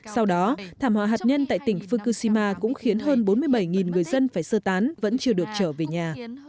sau đó thảm họa hạt nhân tại tỉnh fukushima cũng khiến hơn bốn mươi bảy người dân phải sơ tán vẫn chưa được trở về nhà